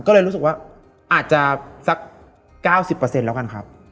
ก็เลยรู้สึกว่าอาจจะสัก๙๐เปอร์เซ็นต์แล้วกันครับ